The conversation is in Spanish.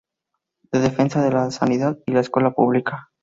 De Defensa de la Sanidad y la Escuela Pública.